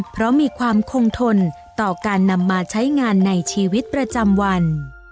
เพราะมีความคงทนต่อการนำมาใช้งานในชีวิตประจำวัน